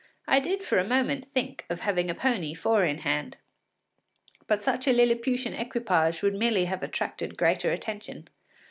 I did for a moment think of having a pony four in hand, but such a Liliputian equipage would have merely attracted greater attention.